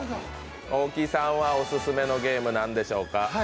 大木さんはオススメのゲーム何でしょうか？